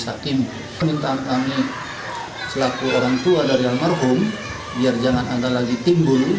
kami mengantar selaku orang tua dari almarhum biar jangan ada lagi timbul